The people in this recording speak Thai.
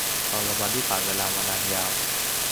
ความสัมพันธ์ที่ผ่านเวลามานานยาว